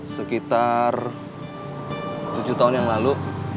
sekitar tujuh tahun yang lalu